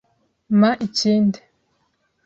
Mpa ikindi.